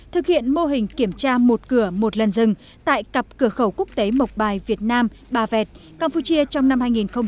thực hiện mô hình kiểm tra một cửa một lần rừng tại cặp cửa khẩu quốc tế mộc bài việt nam bà vẹt campuchia trong năm hai nghìn một mươi chín